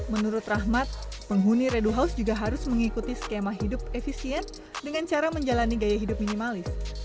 menurut rahmat penghuni redu house juga harus mengikuti skema hidup efisien dengan cara menjalani gaya hidup minimalis